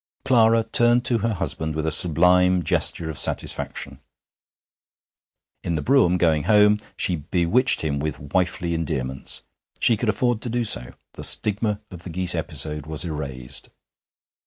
Clara turned to her husband with a sublime gesture of satisfaction. In the brougham, going home, she bewitched him with wifely endearments. She could afford to do so. The stigma of the geese episode was erased.